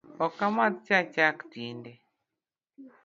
Ok amadh cha chak tinde